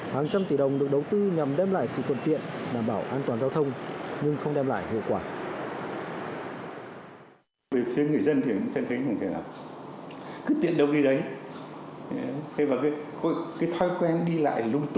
hàng trăm tỷ đồng được đầu tư nhằm đem lại sự thuận tiện đảm bảo an toàn giao thông nhưng không đem lại hiệu quả